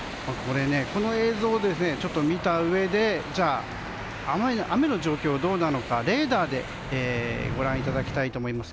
この映像で見たうえで雨の状況はどうなのかレーダーでご覧いただきます。